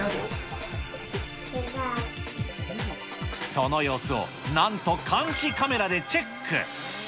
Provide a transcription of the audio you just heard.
その様子をなんと監視カメラでチェック。